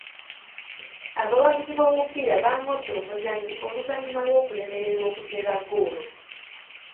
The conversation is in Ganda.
Abawagiz b'omupiira baangoodde omuzannyi oluvannyuma lw'okulemererwa okuteeba ggoolo.